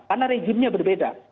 karena regimenya berbeda